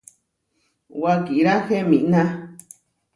Wakirá heminá.